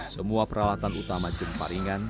semua peralatan utama jemparingan